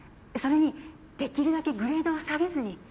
それにできるだけグレードは下げずに。